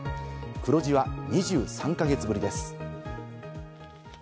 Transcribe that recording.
黒字は２３か月ぶりです。